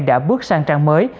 đã bước sang trang mới